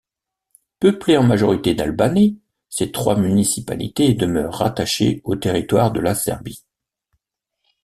Peuplées en majorité d'Albanais, ces trois municipalités demeurent rattachées au territoire de la Serbie.